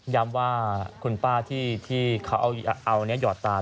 ย้ำว่าคุณป้าที่เขาเอานี้หอดตา